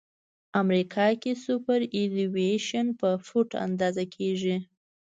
امریکا کې سوپرایلیویشن په فوټ اندازه کیږي